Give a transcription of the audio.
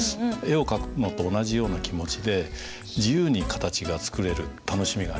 絵を描くのと同じような気持ちで自由に形が作れる楽しみがありますね。